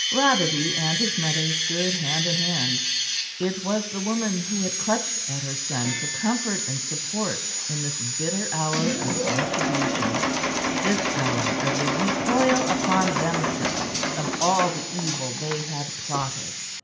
Rotherby and his mother stood hand in hand; it was the woman who had clutched at her son for comfort and support in this bitter hour of retribution, this hour of the recoil upon themselves of all the evil they had plotted.